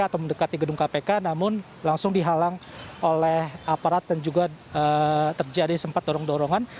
atau mendekati gedung kpk namun langsung dihalang oleh aparat dan juga terjadi sempat dorong dorongan